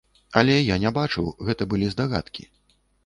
Але я не бачыў, гэта былі здагадкі.